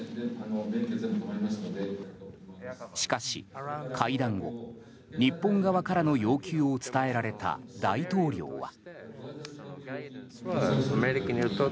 しかし、会談後日本側からの要求を伝えられた大統領は。